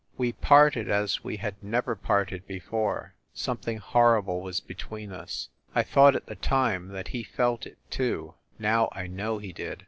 We parted as we had never parted before something horrible was between us I thought at the time that he felt it too. Now I know he did.